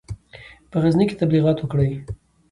په غزني کې تبلیغات وکړي.